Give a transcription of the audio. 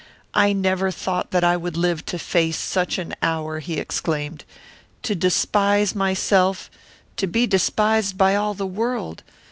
"I never thought that I would live to face such an hour," he exclaimed. "To despise myself to be despised by all the world!